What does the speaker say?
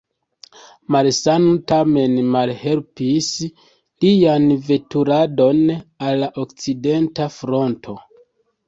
Malsano tamen malhelpis lian veturadon al la Okcidenta Fronto.